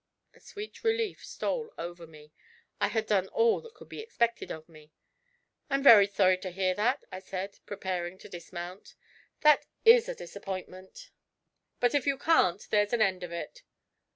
A sweet relief stole over me: I had done all that could be expected of me. 'I'm very sorry to hear that,' I said, preparing to dismount. 'That is a disappointment; but if you can't there's an end of it.'